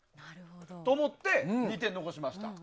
そう思って２点残しました。